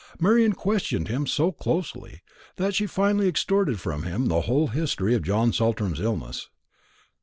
Marian questioned him so closely, that she finally extorted from him the whole history of John Saltram's illness.